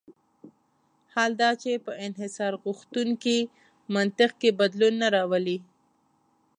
حال دا چې په انحصارغوښتونکي منطق کې بدلون نه راولي.